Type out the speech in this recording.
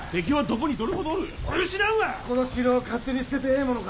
この城を勝手に捨ててええものか。